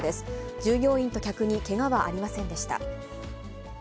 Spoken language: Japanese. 従業員と客にけがはありませんでした。